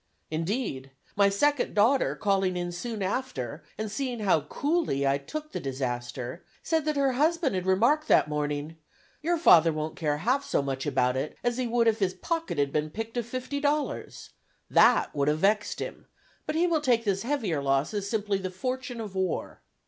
Indeed, my second daughter calling in soon after, and seeing how coolly I took the disaster, said that her husband had remarked that morning, "Your father wont care half so much about it as he would if his pocket had been picked of fifty dollars. That would have vexed him, but he will take this heavier loss as simply the fortune of war."